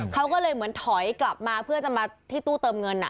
เขาก็เลยเหมือนถอยกลับมาเพื่อจะมาที่ตู้เติมเงิน